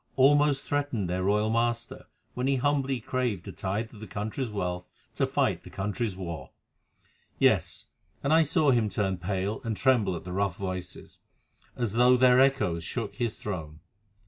—almost threatened their royal master when he humbly craved a tithe of the country's wealth to fight the country's war. Yes, and I saw him turn pale and tremble at the rough voices, as though their echoes shook his throne.